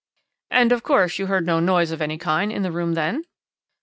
"'And, of course, you heard no noise of any kind in the room then?'